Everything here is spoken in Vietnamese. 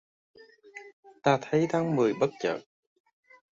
Ta thấy tháng mười bất chợt